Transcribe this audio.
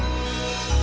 untuk jadi lebih baik